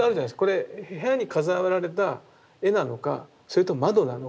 これ部屋に飾られた絵なのかそれとも窓なのか